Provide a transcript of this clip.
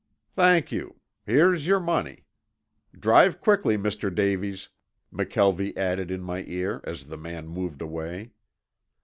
"Thank you. Here's your money. Drive quickly, Mr. Davies," McKelvie added in my ear as the man moved away.